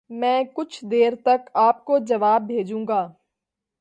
میں کچھ دیر تک آپ کو جواب بھیجوں گا۔۔۔